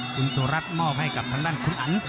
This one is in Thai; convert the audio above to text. คุณสุรัตน์มอบให้กับทางด้านคุณอัน